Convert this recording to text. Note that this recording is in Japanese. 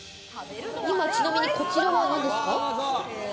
ちなみにこちらは何ですか？